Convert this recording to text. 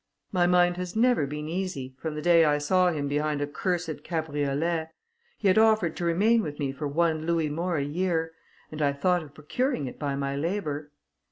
My mind has never been easy, from the day I saw him behind a cursed cabriolet. He had offered to remain with me for one louis more a year, and I thought of procuring it by my labour.